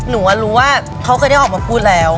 รู้ว่าเขาเคยได้ออกมาพูดแล้ว